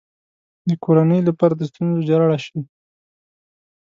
د کورنۍ لپاره د ستونزو جرړه شي.